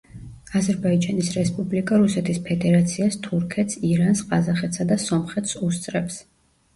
აზერბაიჯანის რესპუბლიკა რუსეთის ფედერაციას, თურქეთს, ირანს, ყაზახეთსა და სომხეთს უსწრებს.